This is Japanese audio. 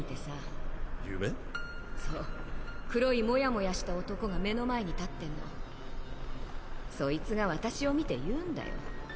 そ黒いモヤモヤした男が目の前に立ってんのそいつが私を見て言うんだよ。